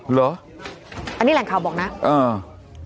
เหรออันนี้แหล่งข่าวบอกนะอ่า